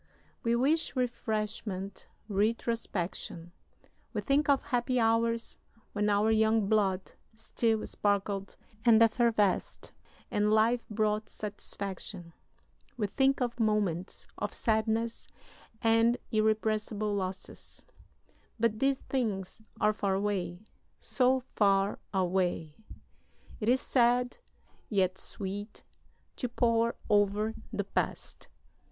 We wish refreshment, retrospection. We think of happy hours when our young blood still sparkled and effervesced and life brought satisfaction. We think of moments of sadness and irrepressible losses. But these things are far away, so far away! It is sad, yet sweet, to pore over the past.